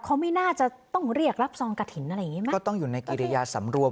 เขาไม่น่าจะต้องเรียกรับซองกระถิ่นอะไรอย่างงี้ไหมก็ต้องอยู่ในกิริยาสำรวม